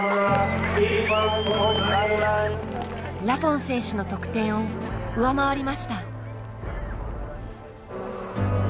ラフォン選手の得点を上回りました。